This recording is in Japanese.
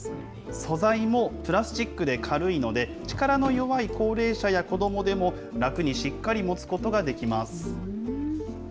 素材もプラスチックで軽いので、力の弱い高齢者や子どもでも、楽にしっかり持つことができます。